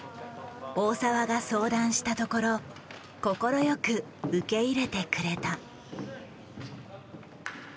大澤が相談したところ快く受け入れてくれた。